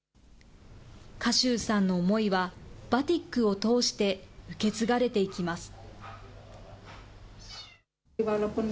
賀集さんの思いは、バティックを通して受け継がれていきます。